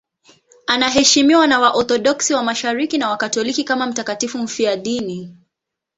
Anaheshimiwa na Waorthodoksi wa Mashariki na Wakatoliki kama mtakatifu mfiadini.